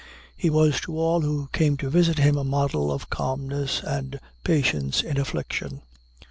He was to all who came to visit him a model of calmness and patience in affliction.